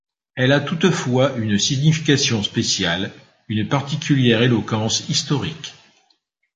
Elle a toutefois une signification spéciale, une particulière éloquence historique.